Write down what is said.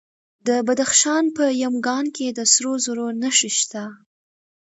د بدخشان په یمګان کې د سرو زرو نښې شته.